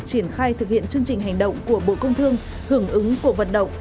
triển khai thực hiện chương trình hành động của bộ công thương hưởng ứng cuộc vận động